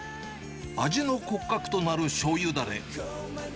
味の骨格となるしょうゆだれ。